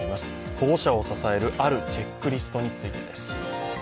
保護者を支える、あるチェックリストについてです。